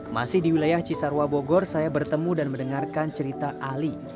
masih di wilayah cisarwa bogor saya bertemu dan mendengarkan cerita ali